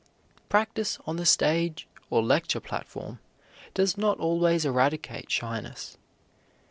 Practice on the stage or lecture platform does not always eradicate shyness.